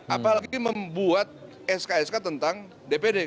apalagi membuat sk sk tentang dpd